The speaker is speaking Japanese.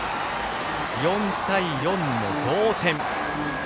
４対４の同点。